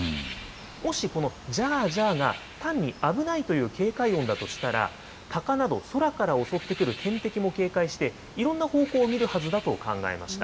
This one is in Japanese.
もしこのジャージャーが、単に危ないという警戒音だとしたら、タカなど空から襲ってくる天敵も警戒して、いろんな方向を見るはずだと考えました。